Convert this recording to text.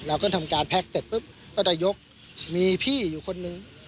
ขึ้นทำการแพ็คเสร็จปุ๊บก็จะยกมีพี่อยู่คนนึง